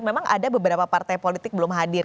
memang ada beberapa partai politik belum hadir